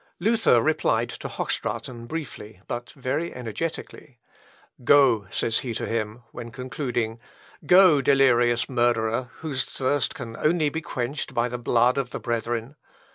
Luther replied to Hochstraten briefly, but very energetically. "Go," says he to him, when concluding; "go, delirious murderer, whose thirst can only be quenched by the blood of the brethren.